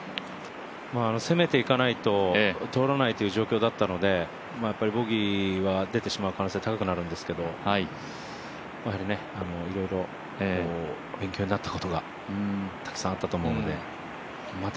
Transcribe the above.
攻めていかないと通らないという状況だったのでやっぱりボギーは出てしまう可能性高くなるんですけどいろいろ勉強になったことがたくさんあったと思うのでまた